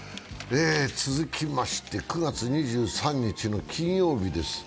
続きまして、９月２３日の金曜日です。